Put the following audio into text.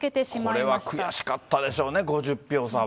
これは悔しかったんでしょうね、５０票差は。